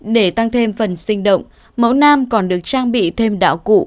để tăng thêm phần sinh động mẫu nam còn được trang bị thêm đạo cụ